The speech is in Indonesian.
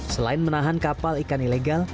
selain menahan kapal ikan ilegal